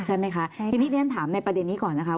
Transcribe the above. ใช่ไหมคะทีนี้เรียนถามในประเด็นนี้ก่อนนะคะ